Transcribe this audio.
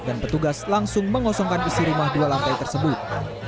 dan petugas langsung mengosongkan isi rumah dua lantai tersebut